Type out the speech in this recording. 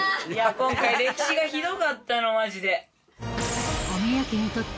今回歴史がひどかったのマジで。